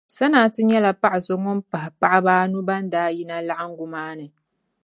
Sanatu nyɛla paɣa so ŋun pahi paɣaba anu ban daa yina laɣingu maa ni